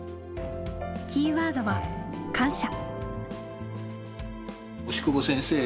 キーワードは「感謝」。